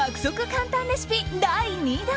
簡単レシピ第２弾。